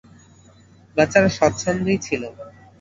বাচ্চারা স্বচ্ছন্দেই ছিল।